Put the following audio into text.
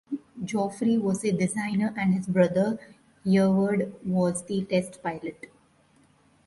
Geoffrey was the designer and his brother Hereward was the test pilot.